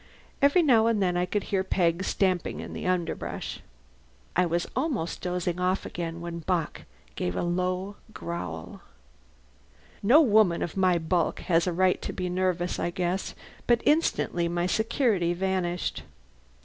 Every now and then I could hear Peg stamping in the underbrush. I was almost dozing off again when Bock gave a low growl. No woman of my bulk has a right to be nervous, I guess, but instantly my security vanished!